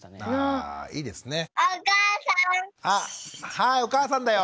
はいお母さんだよ。